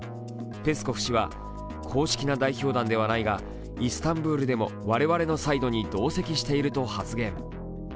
ペスコフ氏は公式な代表団ではないがイスタンブールでも我々のサイドに同席していると発言。